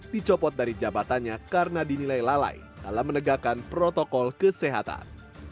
dicopot dari jabatannya karena dinilai lalai dalam menegakkan protokol kesehatan